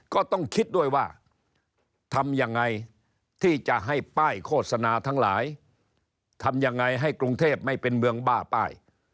ก็ต้องคิดด้วยว่าทำยังไงที่จะให้ป้ายโฆษณาทั้งหลายทำยังไงให้กรุงเทพไม่เป็นเมืองบ้าป้าย